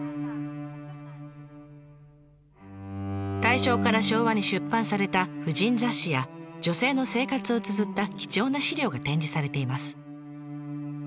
大正から昭和に出版された婦人雑誌や女性の生活をつづった貴重な資料が展示されています。